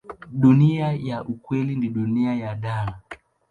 Dunia ya kweli ni dunia ya dhana.